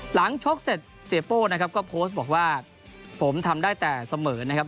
ชกเสร็จเสียโป้นะครับก็โพสต์บอกว่าผมทำได้แต่เสมอนะครับ